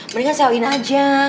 mendingan sewain aja